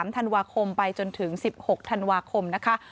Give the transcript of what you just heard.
๓ธันวาคมไปจนถึง๑๖ธันวาคมนะคะ